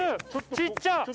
小っちゃ！